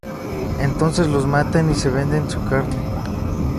Entonces los matan y se vende su carne.